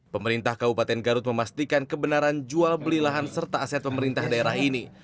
pemerintah kabupaten garut memastikan kebenaran jual beli lahan serta aset pemerintah daerah ini